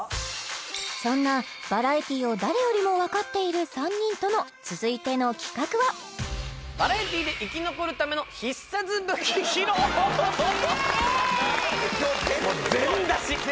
そんなバラエティを誰よりもわかっている３人との続いての企画はもう全出し！